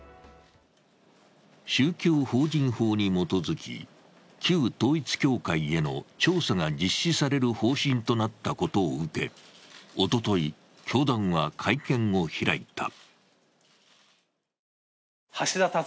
宗教法人法に基づき、旧統一教会への調査が実施される方針となったことを受け、おととい、教団が会見を開いた。